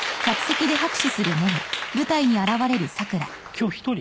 今日１人？